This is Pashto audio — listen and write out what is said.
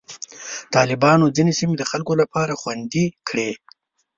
طالبانو ځینې سیمې د خلکو لپاره خوندي کړې.